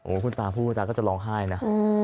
โอ้คุณตาพูดก็จะร้องไห้นะ